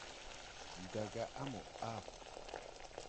Ndi da gá á mo a.